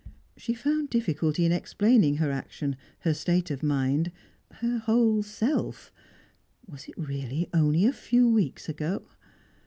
She found difficulty in explaining her action, her state of mind, her whole self. Was it really only a few weeks ago?